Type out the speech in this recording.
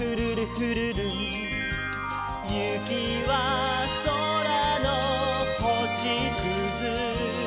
「ゆきはそらのほしくず」